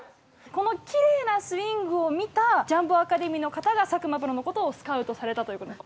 このきれいなスイングを見た、ジャンボアカデミーの方が佐久間プロのことをスカウトされたということで。